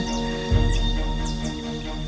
dan mereka berdua menikahi